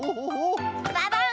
ババン！